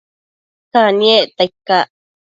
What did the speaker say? Caniecta icac?